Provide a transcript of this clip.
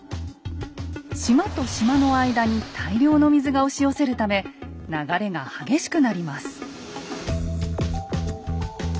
島と島の間に大量の水が押し寄せるため流れが激しくなります。